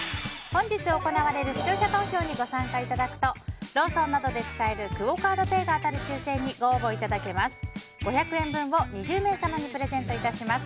本日行われる視聴者投票にご参加いただくとローソンなどで使えるクオ・カードペイが当たる抽選に、ご応募いただけます。